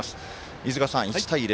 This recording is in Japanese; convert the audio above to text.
飯塚さん、１対０。